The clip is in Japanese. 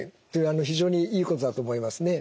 非常にいいことだと思いますね。